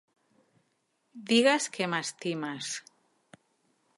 Digues que m'estimes.